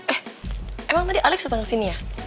eh emang tadi alex datang ke sini ya